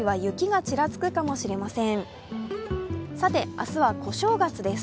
明日は小正月です。